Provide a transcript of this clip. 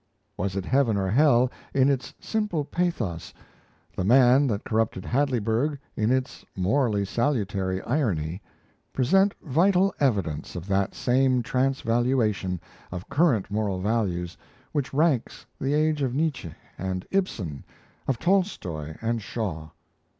'Was it Heaven or Hell?' in its simple pathos, 'The Man that Corrupted Hadleyburg' in its morally salutary irony, present vital evidence of that same transvaluation of current moral values which marks the age of Nietzsche and Ibsen, of Tolstoy and Shaw.